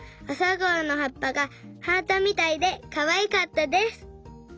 あさがおのはっぱがハートみたいでかわいかったです。